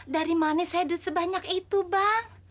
dari mana saya duduk sebanyak itu bang